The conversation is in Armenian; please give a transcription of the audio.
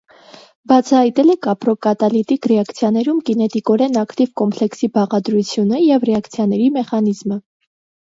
Բացահայտել է կապրոկատալիտիկ ռեակցիաներում կինետիկորեն ակտիվ կոմպլեքսի բաղադրությունը և ռեակցիաների մեխանիզմը։